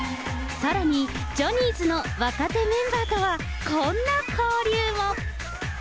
さらに、ジャニーズの若手メンバーとは、こんな交流も。